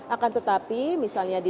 akan tetapi misalnya di